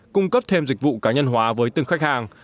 cung cấp thêm dịch vụ cá nhân hóa với từng khách hàng